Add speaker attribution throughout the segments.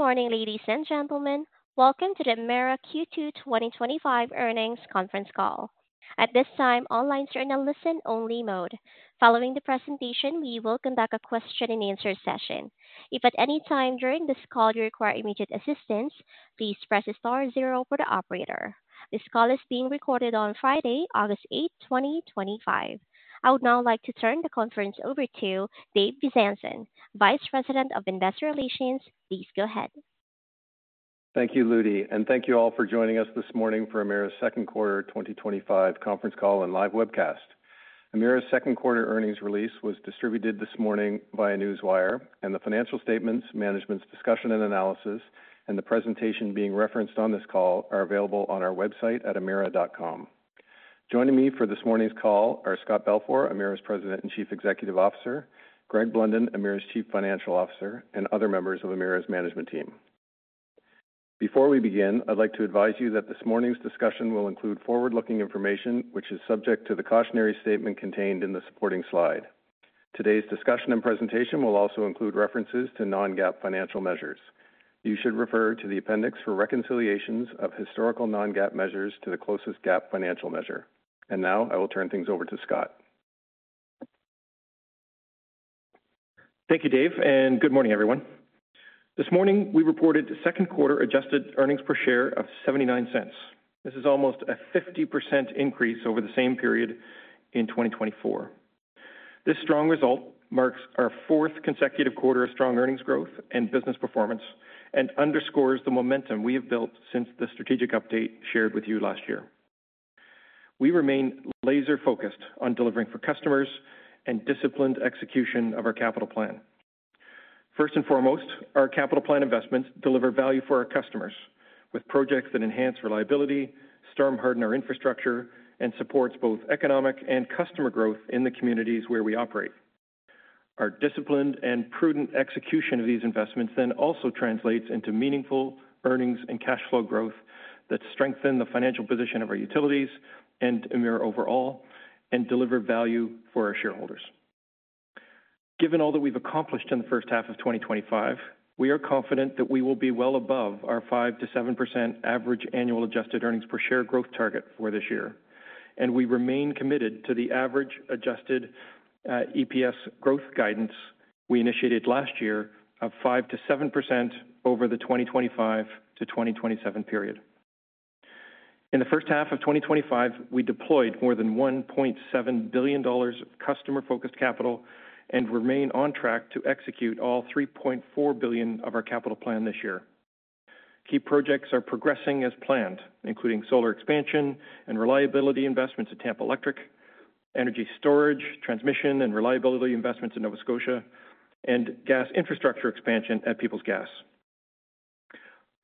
Speaker 1: Good morning, ladies and gentlemen. Welcome to the Emera Q2 2025 Earnings Conference Call. At this time, the line is in a listen-only mode. Following the presentation, we will conduct a question-and-answer session. If at any time during this call you require immediate assistance, please press star zero for the operator. This call is being recorded on Friday, August 8, 2025. I would now like to turn the conference over to Dave Bezanson, Vice President of Investor Relations. Please go ahead.
Speaker 2: Thank you, Ludi, and thank you all for joining us this morning for Emera's Second Quarter 2025 Conference Call and Live Webcast. Emera's second quarter earnings release was distributed this morning via Newswire, and the financial statements, management's discussion and analysis, and the presentation being referenced on this call are available on our website at emera.com. Joining me for this morning's call are Scott Balfour, Emera's President and Chief Executive Officer, Greg Blunden, Emera's Chief Financial Officer, and other members of Emera's management team. Before we begin, I'd like to advise you that this morning's discussion will include forward-looking information, which is subject to the cautionary statement contained in the supporting slide. Today's discussion and presentation will also include references to non-GAAP financial measures. You should refer to the appendix for reconciliations of historical non-GAAP measures to the closest GAAP financial measure. I will now turn things over to Scott.
Speaker 3: Thank you, Dave, and good morning, everyone. This morning, we reported a second quarter adjusted earnings per share of $0.79. This is almost a 50% increase over the same period in 2024. This strong result marks our fourth consecutive quarter of strong earnings growth and business performance, and underscores the momentum we have built since the strategic update shared with you last year. We remain laser-focused on delivering for customers and disciplined execution of our capital plan. First and foremost, our capital plan investments deliver value for our customers, with projects that enhance reliability, storm harden our infrastructure, and support both economic and customer growth in the communities where we operate. Our disciplined and prudent execution of these investments then also translates into meaningful earnings and cash flow growth that strengthen the financial position of our utilities and Emera overall, and deliver value for our shareholders. Given all that we've accomplished in the first half of 2025, we are confident that we will be well above our 5%-7% average annual adjusted earnings per share growth target for this year, and we remain committed to the average adjusted EPS growth guidance we initiated last year of 5%-7% over the 2025 to 2027 period. In the first half of 2025, we deployed more than $1.7 billion of customer-focused capital and remain on track to execute all $3.4 billion of our capital plan this year. Key projects are progressing as planned, including solar expansion and reliability investments at Tampa Electric, energy storage, transmission, and reliability investments at Nova Scotia, and gas infrastructure expansion at Peoples Gas.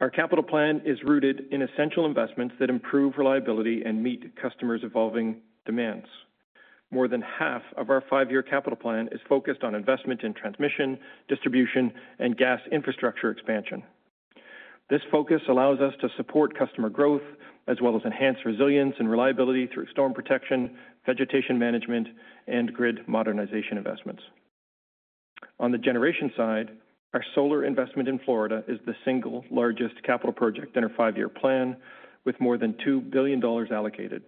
Speaker 3: Our capital plan is rooted in essential investments that improve reliability and meet customers' evolving demands. More than half of our five-year capital plan is focused on investment in transmission, distribution, and gas infrastructure expansion. This focus allows us to support customer growth, as well as enhance resilience and reliability through storm protection, vegetation management, and grid modernization investments. On the generation side, our solar investment in Florida is the single largest capital project in our five-year plan, with more than $2 billion allocated.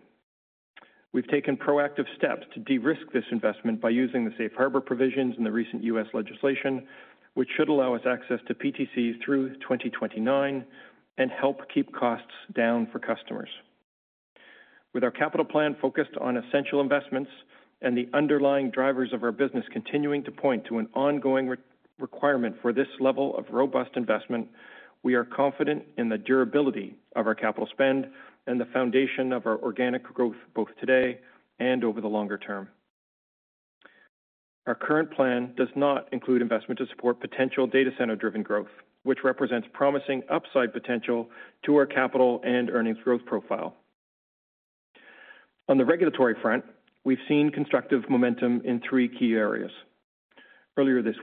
Speaker 3: We've taken proactive steps to de-risk this investment by using the Safe Harbor provisions in the recent U.S. legislation, which should allow us access to PTC through 2029 and help keep costs down for customers. With our capital plan focused on essential investments and the underlying drivers of our business continuing to point to an ongoing requirement for this level of robust investment, we are confident in the durability of our capital spend and the foundation of our organic growth both today and over the longer term. Our current plan does not include investment to support potential data center-driven growth, which represents promising upside potential to our capital and earnings growth profile. On the regulatory front, we've seen constructive momentum in three key areas. Earlier this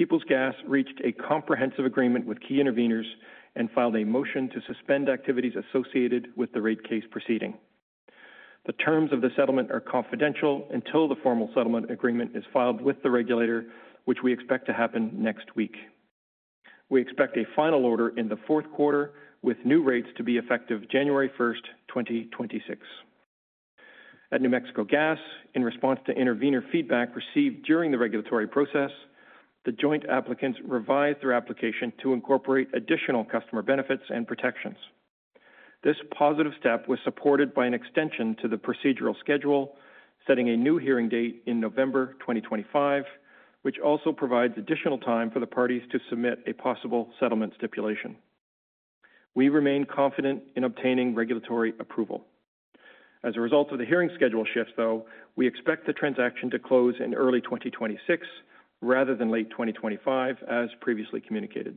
Speaker 3: week, Peoples Gas reached a comprehensive agreement with key interveners and filed a motion to suspend activities associated with the rate case proceeding. The terms of the settlement are confidential until the formal settlement agreement is filed with the regulator, which we expect to happen next week. We expect a final order in the fourth quarter, with new rates to be effective January 1, 2026. At New Mexico Gas, in response to intervener feedback received during the regulatory process, the joint applicants revised their application to incorporate additional customer benefits and protections. This positive step was supported by an extension to the procedural schedule, setting a new hearing date in November 2025, which also provides additional time for the parties to submit a possible settlement stipulation. We remain confident in obtaining regulatory approval. As a result of the hearing schedule shifts, though, we expect the transaction to close in early 2026 rather than late 2025, as previously communicated.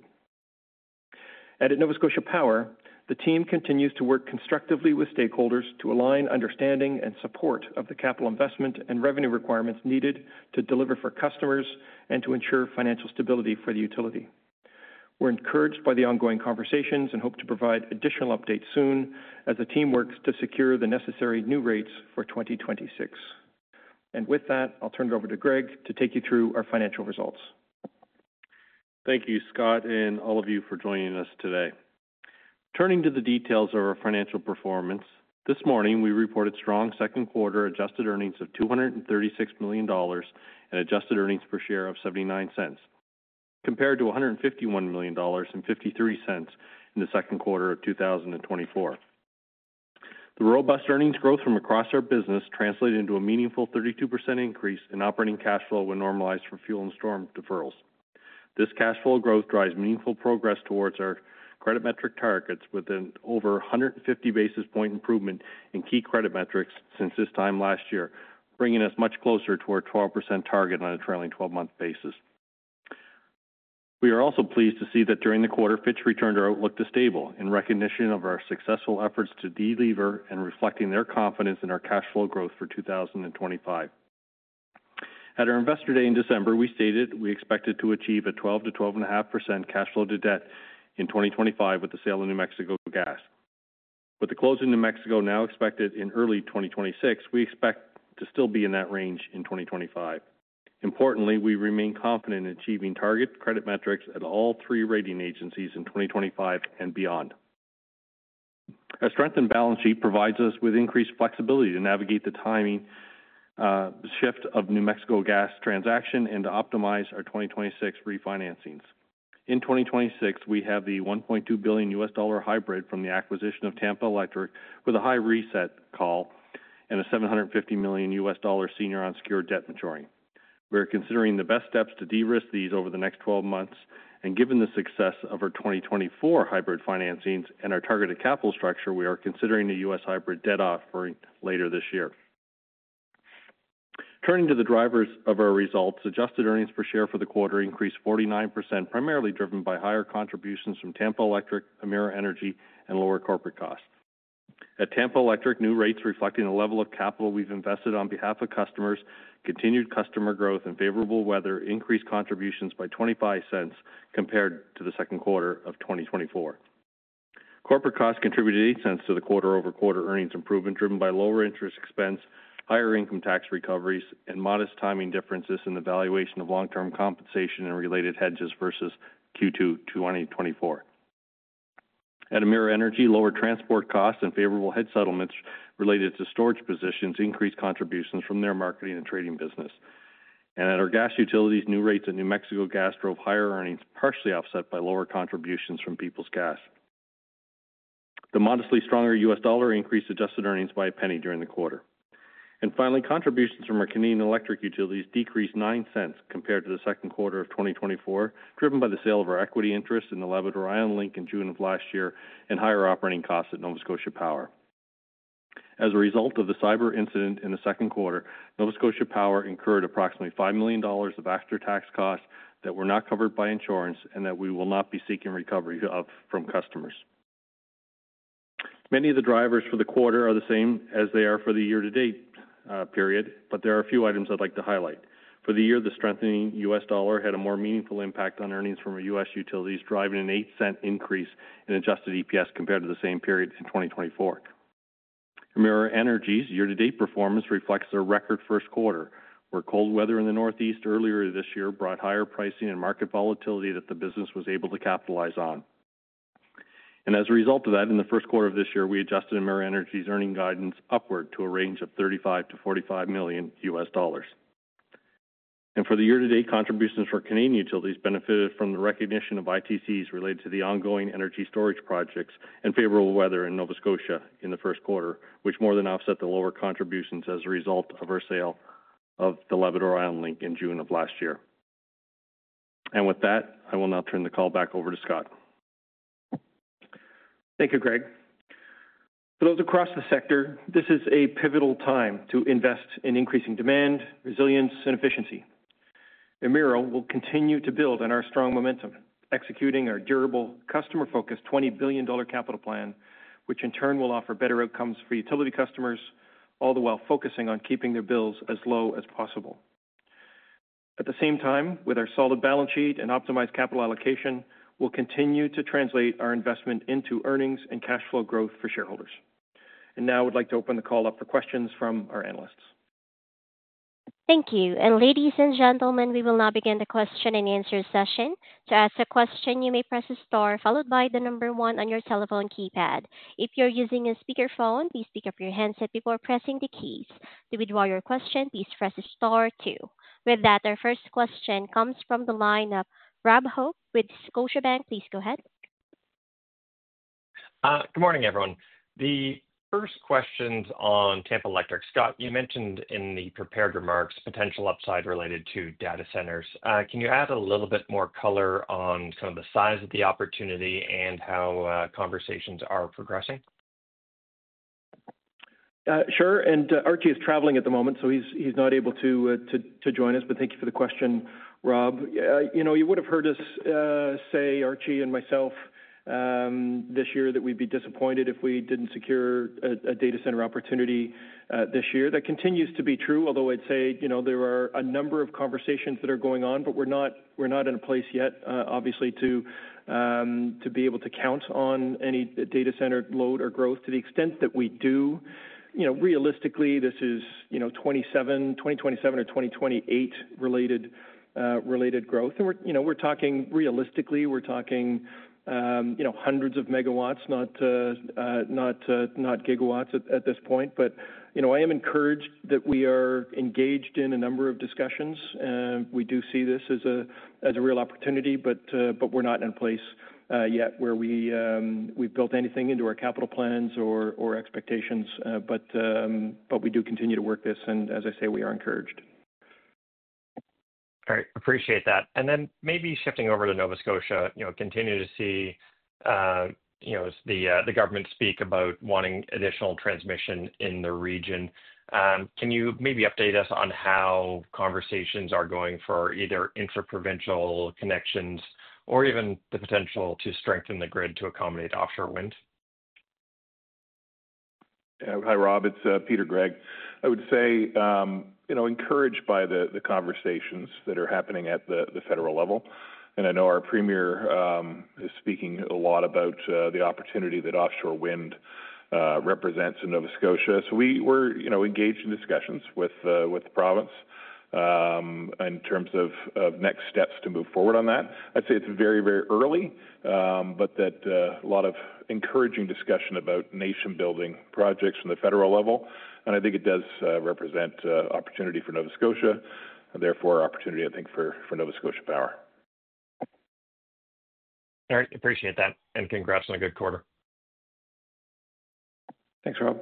Speaker 3: At Nova Scotia Power, the team continues to work constructively with stakeholders to align understanding and support of the capital investment and revenue requirements needed to deliver for customers and to ensure financial stability for the utility. We're encouraged by the ongoing conversations and hope to provide additional updates soon as the team works to secure the necessary new rates for 2026. With that, I'll turn it over to Greg to take you through our financial results.
Speaker 4: Thank you, Scott, and all of you for joining us today. Turning to the details of our financial performance, this morning we reported strong second quarter adjusted earnings of $236 million and adjusted earnings per share of $0.79, compared to $151 million and $0.53 in the second quarter of 2024. The robust earnings growth from across our business translated into a meaningful 32% increase in operating cash flow when normalized for fuel and storm deferrals. This cash flow growth drives meaningful progress towards our credit metric targets with an over 150 basis point improvement in key credit metrics since this time last year, bringing us much closer to our 12% target on a trailing 12-month basis. We are also pleased to see that during the quarter, Fitch returned our outlook to stable in recognition of our successful efforts to delever and reflecting their confidence in our cash flow growth for 2025. At our investor day in December, we stated we expected to achieve a 12%-12.5% cash flow to debt in 2025 with the sale of New Mexico Gas. With the close in New Mexico now expected in early 2026, we expect to still be in that range in 2025. Importantly, we remain confident in achieving target credit metrics at all three rating agencies in 2025 and beyond. Our strengthened balance sheet provides us with increased flexibility to navigate the timing shift of New Mexico Gas transaction and to optimize our 2026 refinancings. In 2026, we have the $1.2 billion dollar hybrid from the acquisition of Tampa Electric with a high reset call and a $750 million senior unsecured debt maturity. We are considering the best steps to de-risk these over the next 12 months, and given the success of our 2024 hybrid financings and our targeted capital structure, we are considering a U.S. hybrid debt offering for later this year. Turning to the drivers of our results, adjusted earnings per share for the quarter increased 49%, primarily driven by higher contributions from Tampa Electric, Emera Energy, and lower corporate costs. At Tampa Electric, new rates reflecting the level of capital we've invested on behalf of customers, continued customer growth, and favorable weather increased contributions by $0.25 compared to the second quarter of 2024. Corporate costs contributed $0.08 to the quarter over quarter earnings improvement, driven by lower interest expense, higher income tax recoveries, and modest timing differences in the valuation of long-term compensation and related hedges versus Q2 2024. At Emera Energy, lower transport costs and favorable hedge settlements related to storage positions increased contributions from their marketing and trading business. At our gas utilities, new rates at New Mexico Gas drove higher earnings, partially offset by lower contributions from Peoples Gas. The modestly stronger U.S. dollar increased adjusted earnings by $0.01 during the quarter. Finally, contributions from our Canadian electric utilities decreased $0.09 compared to the second quarter of 2024, driven by the sale of our equity interest in the Labrador Ion Link in June of last year and higher operating costs at Nova Scotia Power. As a result of the cyber incident in the second quarter, Nova Scotia Power incurred approximately $5 million of after-tax costs that were not covered by insurance and that we will not be seeking recovery of from customers. Many of the drivers for the quarter are the same as they are for the year-to-date period, but there are a few items I'd like to highlight. For the year, the strengthening U.S. dollar had a more meaningful impact on earnings from our U.S. utilities, driving an $0.08 increase in adjusted EPS compared to the same period in 2024. Emera Energy's year-to-date performance reflects their record first quarter, where cold weather in the Northeast earlier this year brought higher pricing and market volatility that the business was able to capitalize on. As a result of that, in the first quarter of this year, we adjusted Emera Energy's earning guidance upward to a range of $35 million-$45 million. For the year-to-date, contributions for Canadian utilities benefited from the recognition of ITCs related to the ongoing energy storage projects and favorable weather in Nova Scotia in the first quarter, which more than offset the lower contributions as a result of our sale of the Labrador Ion Link in June of last year. With that, I will now turn the call back over to Scott.
Speaker 3: Thank you, Greg. For those across the sector, this is a pivotal time to invest in increasing demand, resilience, and efficiency. Emera will continue to build on our strong momentum, executing our durable, customer-focused $20 billion capital plan, which in turn will offer better outcomes for utility customers, all the while focusing on keeping their bills as low as possible. At the same time, with our solid balance sheet and optimized capital allocation, we'll continue to translate our investment into earnings and cash flow growth for shareholders. I would now like to open the call up for questions from our analysts.
Speaker 1: Thank you. Ladies and gentlemen, we will now begin the question-and-answer session. To ask a question, you may press star followed by the number one on your telephone keypad. If you're using a speaker phone, please pick up your headset before pressing the keys. To withdraw your question, please press star two. With that, our first question comes from the line of Rob Hope with Scotiabank. Please go ahead.
Speaker 5: Good morning, everyone. The first question is on Tampa Electric. Scott, you mentioned in the prepared remarks potential upside related to data centers. Can you add a little bit more color on kind of the size of the opportunity and how conversations are progressing?
Speaker 3: Sure. Archie is traveling at the moment, so he's not able to join us, but thank you for the question, Rob. You would have heard us say, Archie and myself, this year that we'd be disappointed if we didn't secure a data center opportunity this year. That continues to be true, although I'd say there are a number of conversations that are going on, but we're not in a place yet, obviously, to be able to count on any data center load or growth to the extent that we do. Realistically, this is 2027 or 2028 related growth. We're talking realistically, we're talking hundreds of megawatts, not gigawatts at this point. I am encouraged that we are engaged in a number of discussions. We do see this as a real opportunity, but we're not in a place yet where we've built anything into our capital plans or expectations. We do continue to work this, and as I say, we are encouraged.
Speaker 5: All right, appreciate that. Maybe shifting over to Nova Scotia, you know, continue to see, you know, the government speak about wanting additional transmission in the region. Can you maybe update us on how conversations are going for either intra-provincial connections or even the potential to strengthen the grid to accommodate offshore wind?
Speaker 6: Hi, Rob. It's Peter Gregg. I would say, you know, encouraged by the conversations that are happening at the federal level. I know our Premier is speaking a lot about the opportunity that offshore wind represents in Nova Scotia. We're engaged in discussions with the province in terms of next steps to move forward on that. I'd say it's very, very early, but there is a lot of encouraging discussion about nation-building projects from the federal level. I think it does represent opportunity for Nova Scotia and therefore opportunity, I think, for Nova Scotia Power.
Speaker 5: Appreciate that. Congrats on a good quarter.
Speaker 3: Thanks, Rob.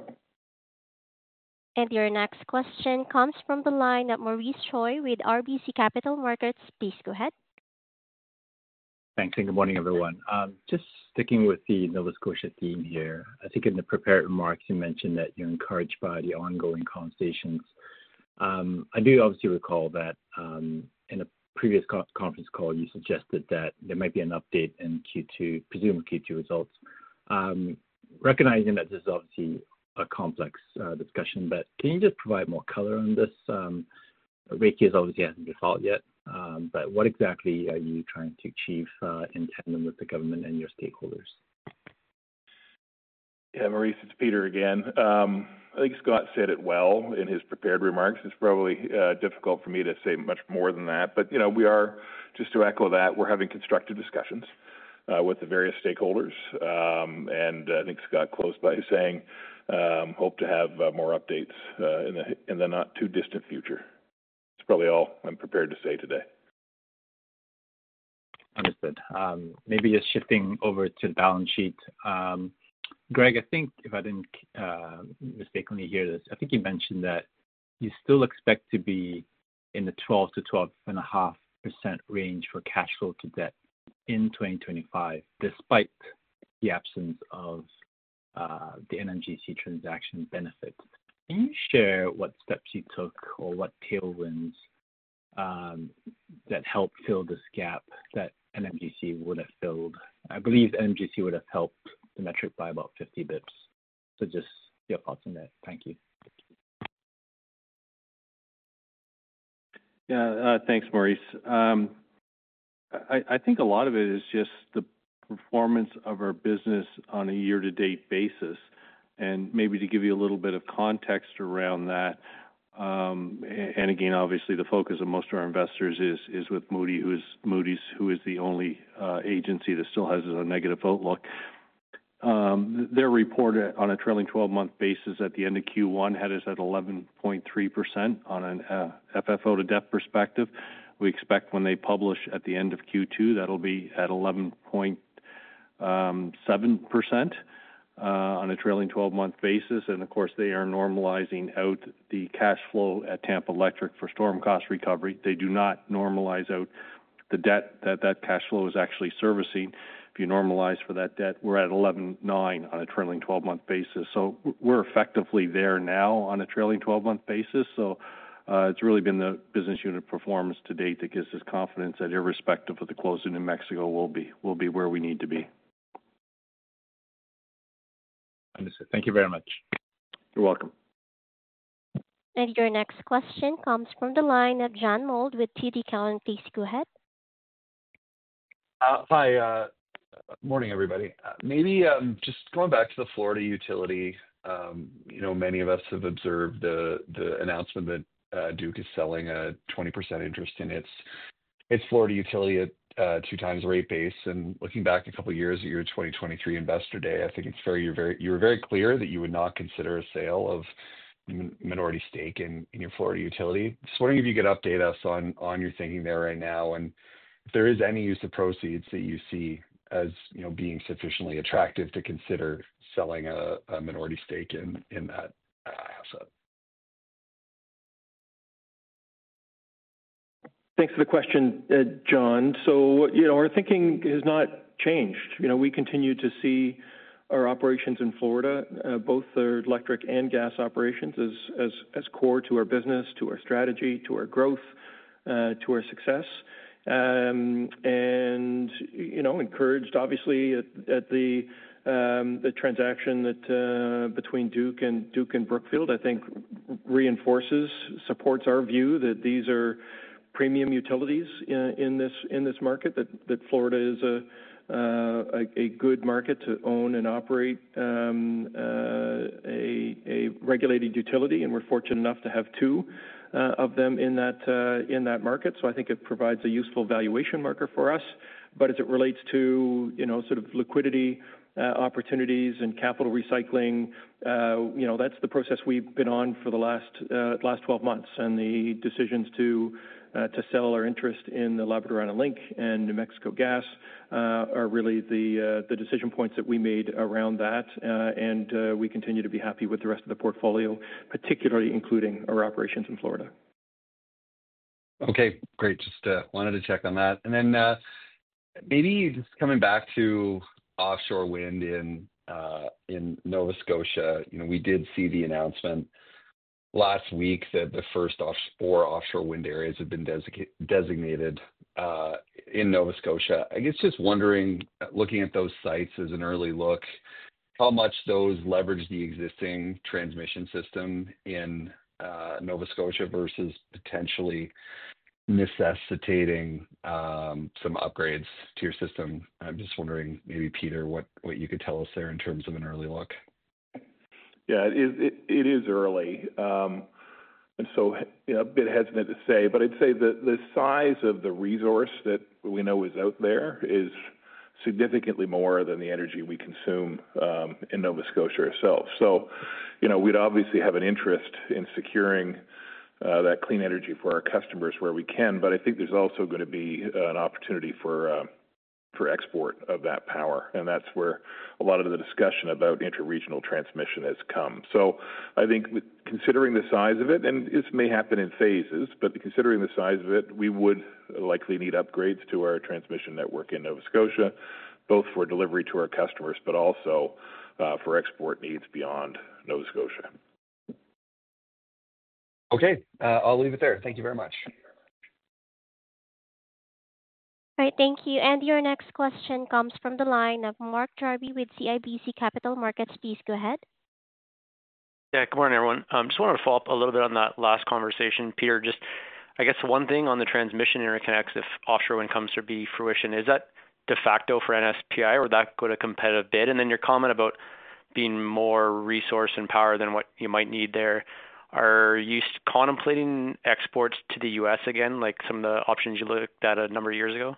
Speaker 1: Your next question comes from the line of Maurice Choy with RBC Capital Markets. Please go ahead.
Speaker 7: Thanks. Good morning, everyone. Just sticking with the Nova Scotia theme here, I think in the prepared remarks, you mentioned that you're encouraged by the ongoing conversations. I do obviously recall that in a previous conference call, you suggested that there might be an update in Q2, presumably Q2 results. Recognizing that this is obviously a complex discussion, can you just provide more color on this? Rate is obviously at the default yet, but what exactly are you trying to achieve in tandem with the government and your stakeholders?
Speaker 6: Yeah, Maurice, it's Peter again. I think Scott said it well in his prepared remarks. It's probably difficult for me to say much more than that. We are, just to echo that, having constructive discussions with the various stakeholders. I think Scott closed by saying, hope to have more updates in the not-too-distant future. That's probably all I'm prepared to say today.
Speaker 7: Understood. Maybe just shifting over to the balance sheet. Greg, I think if I didn't mistakenly hear this, I think you mentioned that you still expect to be in the 12%-12.5% range for cash flow to debt in 2025, despite the absence of the NMGC exicotransaction benefit. Can you share what steps you took or what tailwinds that helped fill this gap that NMGC would have filled? I believe New Mexico Gas would have helped the metric by about 50 bps. Just your thoughts on that. Thank you.
Speaker 4: Yeah, thanks, Maurice. I think a lot of it is just the performance of our business on a year-to-date basis. Maybe to give you a little bit of context around that, obviously, the focus of most of our investors is with Moody, who is the only agency that still has a negative outlook. Their report on a trailing 12-month basis at the end of Q1 had us at 11.3% on an FFO to debt perspective. We expect when they publish at the end of Q2, that'll be at 11.7% on a trailing 12-month basis. Of course, they are normalizing out the cash flow at Tampa Electric for storm cost recovery. They do not normalize out the debt that that cash flow is actually servicing. If you normalize for that debt, we're at 11.9% on a trailing 12-month basis. We're effectively there now on a trailing 12-month basis. It's really been the business unit performance to date that gives us confidence that irrespective of the close in New Mexico we will be where we need to be.
Speaker 7: Understood. Thank you very much.
Speaker 4: You're welcome.
Speaker 1: Your next question comes from the line of John Mould with TD Cowen. Please go ahead.
Speaker 8: Hi. Morning, everybody. Maybe just going back to the Florida utility, you know, many of us have observed the announcement that Duke is selling a 20% interest in its Florida utility at a 2x rate base. Looking back a couple of years at your 2023 investor day, I think you were very clear that you would not consider a sale of a minority stake in your Florida utility. Just wondering if you could update us on your thinking there right now and if there is any use of proceeds that you see as, you know, being sufficiently attractive to consider selling a minority stake in that asset.
Speaker 3: Thanks for the question, John. Our thinking has not changed. We continue to see our operations in Florida, both the electric and gas operations, as core to our business, to our strategy, to our growth, to our success. We're encouraged, obviously, at the transaction between Duke and Brookfield. I think it reinforces, supports our view that these are premium utilities in this market, that Florida is a good market to own and operate a regulated utility. We're fortunate enough to have two of them in that market. I think it provides a useful valuation marker for us. As it relates to liquidity opportunities and capital recycling, that's the process we've been on for the last 12 months. The decisions to sell our interest in the Labrador Island Link and New Mexico Gas are really the decision points that we made around that. We continue to be happy with the rest of the portfolio, particularly including our operations in Florida.
Speaker 8: Okay, great. Just wanted to check on that. Maybe just coming back to offshore wind in Nova Scotia, you know, we did see the announcement last week that the first four offshore wind areas have been designated in Nova Scotia. I guess just wondering, looking at those sites as an early look, how much those leverage the existing transmission system in Nova Scotia versus potentially necessitating some upgrades to your system? I'm just wondering, maybe Peter, what you could tell us there in terms of an early look.
Speaker 6: Yeah, it is early. You know, a bit hesitant to say, but I'd say that the size of the resource that we know is out there is significantly more than the energy we consume in Nova Scotia ourselves. You know, we'd obviously have an interest in securing that clean energy for our customers where we can, but I think there's also going to be an opportunity for export of that power. That's where a lot of the discussion about inter-regional transmission has come. I think considering the size of it, and this may happen in phases, but considering the size of it, we would likely need upgrades to our transmission network in Nova Scotia, both for delivery to our customers, but also for export needs beyond Nova Scotia.
Speaker 8: Okay, I'll leave it there. Thank you very much.
Speaker 1: All right, thank you. Your next question comes from the line of Mark Jarvi with CIBC Capital Markets. Please go ahead.
Speaker 9: Yeah, good morning, everyone. I just wanted to follow up a little bit on that last conversation, Peter. Just, I guess one thing on the transmission interconnects, if offshore wind comes to be fruition, is that de facto for NSPI would that go to competitive bid? Then your comment about being more resource and power than what you might need there. Are you contemplating exports to the U.S. again, like some of the options you looked at a number of years ago?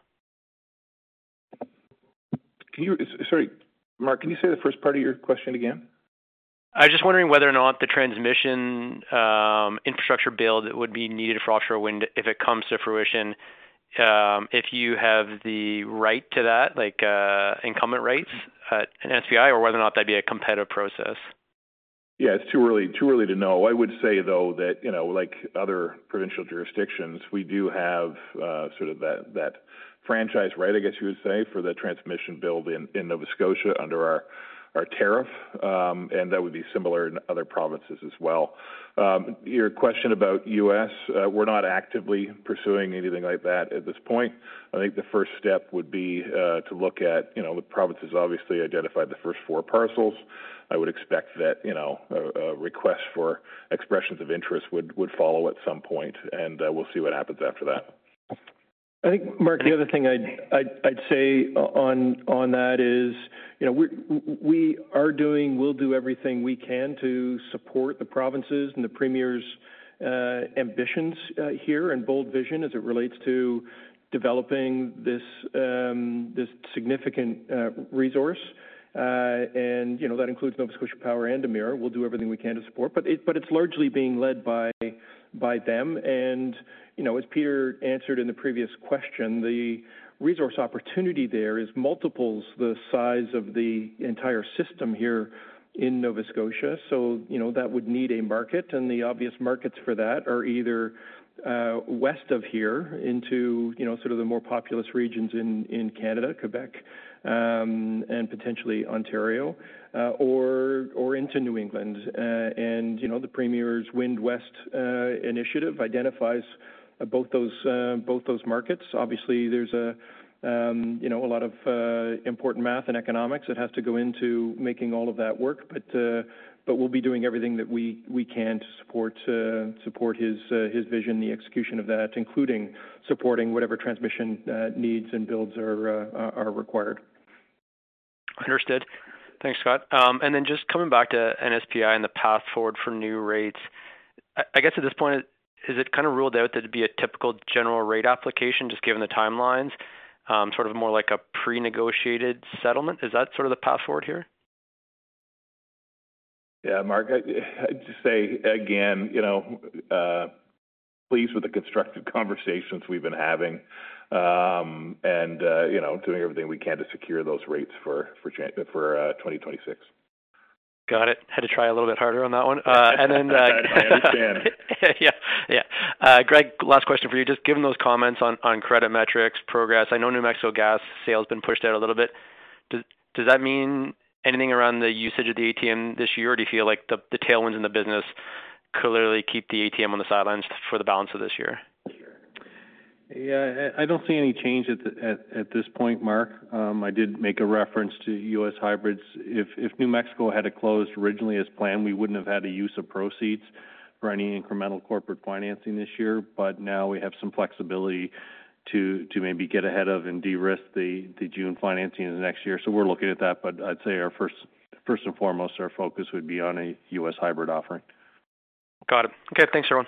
Speaker 6: Sorry, Mark, can you say the first part of your question again?
Speaker 9: I was just wondering whether or not the transmission infrastructure build would be needed for offshore wind if it comes to fruition, if you have the right to that, like incumbent rights at Nova Scotia Power, or whether or not that'd be a competitive process.
Speaker 6: Yeah, it's too early to know. I would say, though, that like other provincial jurisdictions, we do have sort of that franchise right, I guess you would say, for the transmission build in Nova Scotia under our tariff. That would be similar in other provinces as well. Your question about the U.S., we're not actively pursuing anything like that at this point. I think the first step would be to look at the provinces obviously identified the first four parcels. I would expect that a request for expressions of interest would follow at some point, and we'll see what happens after that.
Speaker 3: I think, Mark, the other thing I'd say on that is, you know, we are doing, we'll do everything we can to support the provinces and the Premier's ambitions here and bold vision as it relates to developing this significant resource. That includes Nova Scotia Power and Emera. We'll do everything we can to support, but it's largely being led by them. As Peter answered in the previous question, the resource opportunity there is multiples the size of the entire system here in Nova Scotia. That would need a market, and the obvious markets for that are either west of here into the more populous regions in Canada, Quebec, and potentially Ontario, or into New England. The Premier's Wind West initiative identifies both those markets. Obviously, there's a lot of important math and economics that has to go into making all of that work, but we'll be doing everything that we can to support his vision, the execution of that, including supporting whatever transmission needs and builds are required.
Speaker 9: Understood. Thanks, Scott. Just coming back to NSPI and the path forward for new rates, at this point, is it kind of ruled out that it'd be a typical general rate application, just given the timelines, sort of more like a pre-negotiated settlement? Is that sort of the path forward here?
Speaker 6: Yeah, Mark, I'd just say again, you know, pleased with the constructive conversations we've been having and doing everything we can to secure those rates for 2026.
Speaker 9: Got it. Had to try a little bit harder on that one.
Speaker 6: I understand.
Speaker 9: Yeah, yeah. Greg, last question for you. Just given those comments on credit metrics progress, I know New Mexico Gas sale's been pushed out a little bit. Does that mean anything around the usage of the ATM this year, or do you feel like the tailwinds in the business clearly keep the ATM on the sidelines for the balance of this year?
Speaker 4: Yeah, I don't see any change at this point, Mark. I did make a reference to U.S. hybrids. If New Mexico had closed originally as planned, we wouldn't have had a use of proceeds for any incremental corporate financing this year, but now we have some flexibility to maybe get ahead of and de-risk the June financing of next year. We're looking at that, but I'd say first and foremost, our focus would be on a U.S. hybrid offering.
Speaker 9: Got it. Okay, thanks, everyone.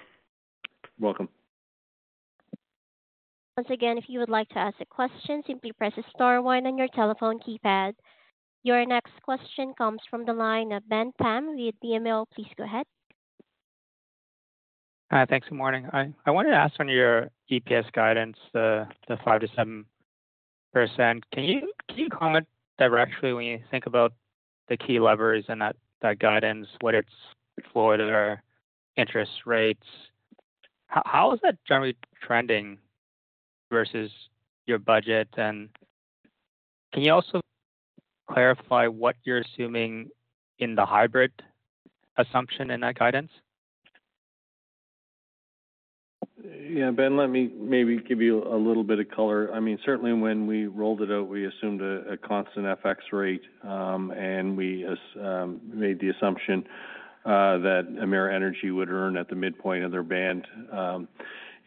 Speaker 4: Welcome.
Speaker 1: Once again, if you would like to ask a question, simply press star one on your telephone keypad. Your next question comes from the line of Ben Pham via BMO, please go ahead.
Speaker 10: Hi, thanks. Good morning. I wanted to ask on your EPS guidance, the 5% to 7%. Can you comment directly when you think about the key levers in that guidance, whether it's floor to the interest rates? How is that generally trending versus your budget? Can you also clarify what you're assuming in the hybrid assumption in that guidance?
Speaker 4: Yeah, Ben, let me maybe give you a little bit of color. Certainly, when we rolled it out, we assumed a constant FX rate, and we made the assumption that Emera Energy would earn at the midpoint of their band.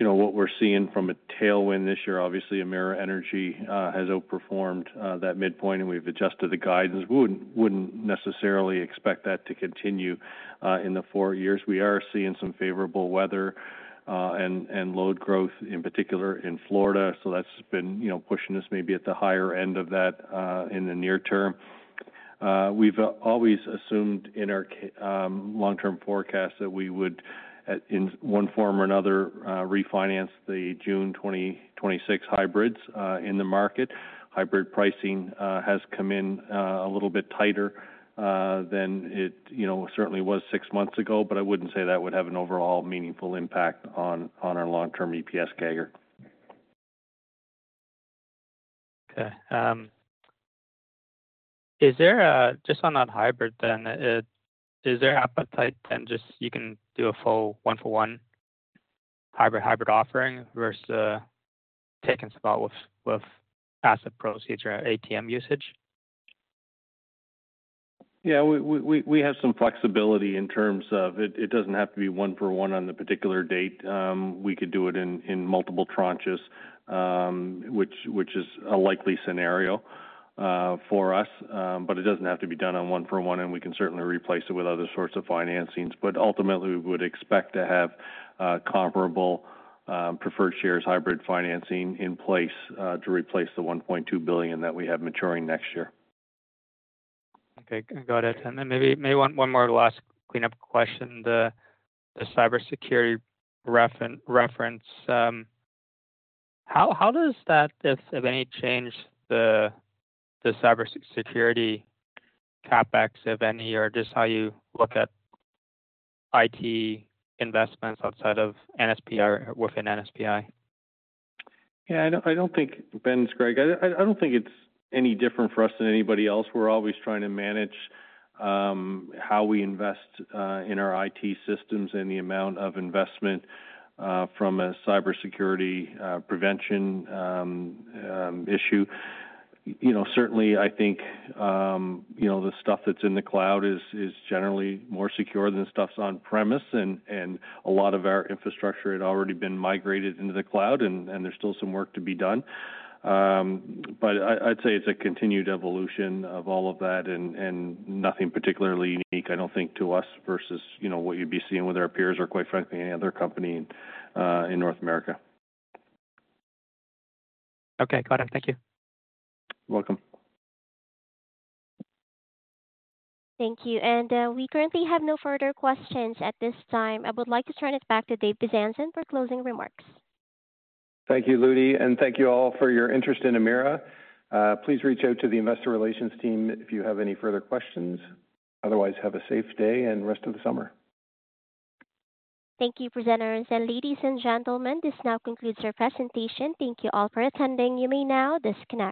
Speaker 4: What we're seeing from a tailwind this year, obviously, Emera Energy has outperformed that midpoint, and we've adjusted the guidance. We wouldn't necessarily expect that to continue in the four years. We are seeing some favorable weather and load growth, in particular in Florida. That's been pushing us maybe at the higher end of that in the near term. We've always assumed in our long-term forecast that we would, in one form or another, refinance the June 2026 hybrids in the market. Hybrid pricing has come in a little bit tighter than it certainly was six months ago, but I wouldn't say that would have an overall meaningful impact on our long-term EPS guidance.
Speaker 10: Okay. Is there, just on that hybrid then, is there appetite then, just you can do a full one-for-one hybrid-hybrid offering versus taking some out with passive proceeds or ATM usage?
Speaker 4: Yeah, we have some flexibility in terms of it doesn't have to be one-for-one on the particular date. We could do it in multiple tranches, which is a likely scenario for us, it doesn't have to be done on one-for-one, and we can certainly replace it with other sorts of financings. Ultimately, we would expect to have comparable preferred shares hybrid financing in place to replace the $1.2 billion that we have maturing next year.
Speaker 10: Okay, got it. Maybe one more last cleanup question, the cybersecurity reference. How does that, if any, change the cybersecurity CapEx, if any, or just how you look at IT investments outside of NSPI or within NSPI?
Speaker 4: Yeah, I don't think, Ben, it's Greg, I don't think it's any different for us than anybody else. We're always trying to manage how we invest in our IT systems and the amount of investment from a cybersecurity prevention issue. Certainly, I think the stuff that's in the cloud is generally more secure than stuff on premise, and a lot of our infrastructure had already been migrated into the cloud, and there's still some work to be done. I'd say it's a continued evolution of all of that, and nothing particularly unique, I don't think, to us versus what you'd be seeing with our peers or, quite frankly, any other company in North America.
Speaker 10: Okay, got it. Thank you.
Speaker 4: You're welcome.
Speaker 1: Thank you. We currently have no further questions at this time. I would like to turn it back to Dave Bezanson for closing remarks.
Speaker 2: Thank you, Ludi, and thank you all for your interest in Emera. Please reach out to the Investor Relations team if you have any further questions. Otherwise, have a safe day and rest of the summer.
Speaker 1: Thank you, presenters. Ladies and gentlemen, this now concludes our presentation. Thank you all for attending. You may now disconnect.